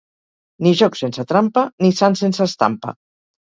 Ni joc sense trampa ni sant sense estampa.